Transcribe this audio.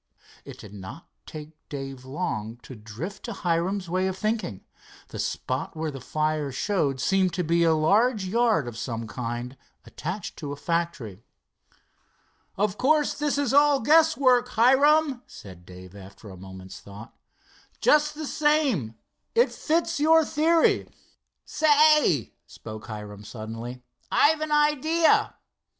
It did not take Dave long to drift to Hiram's way of thinking. The spot where the fire showed seemed to be a large yard of some kind, attached to a factory. "Of course this is all guess work, Hiram," said Dave, after a moment's thought. "Just the same, it fits in to your theory." "Say," spoke Hiram suddenly, "I've an idea."